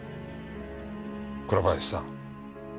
倉林さん